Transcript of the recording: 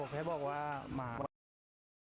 ไปออกไปนี่